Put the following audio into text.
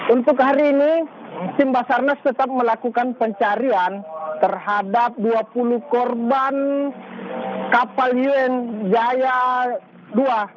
untuk hari ini tim basarnas tetap melakukan pencarian terhadap dua puluh korban kapal yun jaya dua